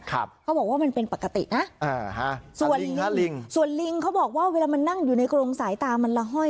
เขาบอกว่ามันเป็นปกตินะอ่าฮะส่วนลิงส่วนลิงเขาบอกว่าเวลามันนั่งอยู่ในกรงสายตามันละห้อย